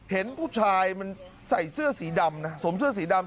เห็นผู้ชายมันใส่เสื้อสีดำนะสวมเสื้อสีดำ